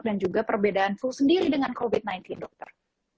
dan juga perbedaan flu sendiri dengan covid sembilan belas dokter